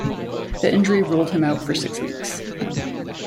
The injury ruled him out for six weeks.